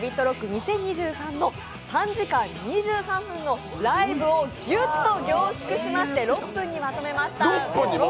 ２０２３の３時間２３分のライブをぎゅっと凝縮しまして６分にまとめました。